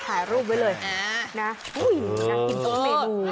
ถ่ายรูปไว้เลยนะน่ากินต้นเมนู